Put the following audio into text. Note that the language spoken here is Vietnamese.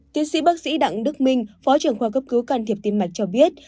tiến sĩ bác sĩ đặng đức minh phó trưởng khoa cấp cứu can thiệp tim mạch cho biết